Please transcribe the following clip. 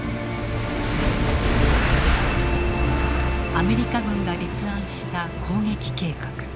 アメリカ軍が立案した攻撃計画。